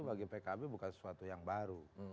bagi pkb bukan sesuatu yang baru